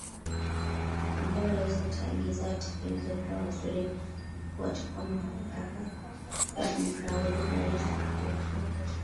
ambayo rais ataagiza yatekelezwePia Waziri Mkuu atakuwa na madaraka ya kumshauri rais kuhusu